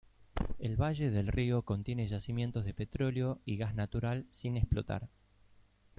El valle del río contiene yacimientos de petróleo y gas natural sin explotar.